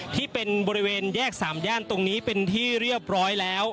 ที่เป็นบริเวณแยกสามย่านตรงนี้เป็นที่เรียบร้อยแล้ว